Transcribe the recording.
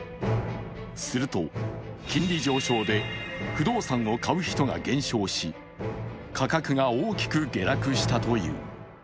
すると、金利上昇で不動産を買う人が減少し価格が大きく下落したという。